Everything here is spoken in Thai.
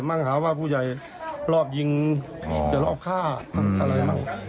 มั่งหาว่าผู้ใหญ่รอบยิงเดี๋ยวรอบฆ่าอะไรแบบนี้